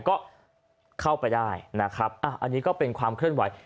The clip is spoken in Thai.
ก็เข้าไปได้นะครับอันนี้ก็เป็นความเคลื่อนไหว